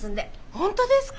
本当ですか！？